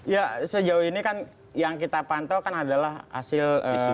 ya sejauh ini kan yang kita pantau kan adalah hasil survei